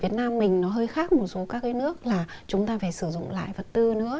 việt nam mình nó hơi khác một số các cái nước là chúng ta phải sử dụng lại vật tư nữa